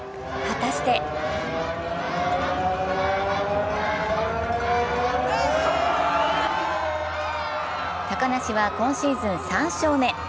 果たして高梨は今シーズン３勝目。